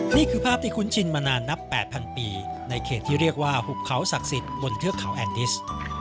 นี่คือภาพที่คุ้นชินมานานนับ๘๐๐ปีในเขตที่เรียกว่าหุบเขาศักดิ์สิทธิ์บนเทือกเขาแอนดิส